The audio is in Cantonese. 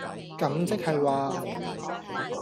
咁即係話...